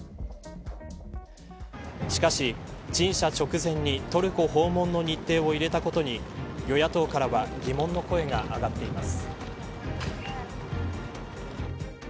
しかし、陳謝直前にトルコ訪問の日程を入れたことに与野党からは疑問の声が上がっています。